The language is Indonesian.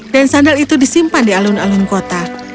dan sandal itu disimpan di alun alun kota